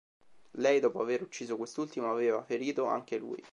Lei, dopo aver ucciso quest'ultimo, aveva ferito anche lui.